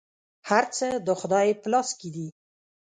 هر څه د خدای په لاس کي دي .